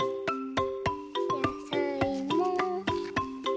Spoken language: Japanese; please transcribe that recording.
やさいも。